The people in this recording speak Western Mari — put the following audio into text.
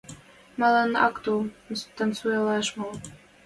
Малын ак тол танцуялаш мол?